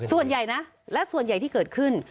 ส่วนใหญ่นะและส่วนใหญ่ที่เกิดขึ้น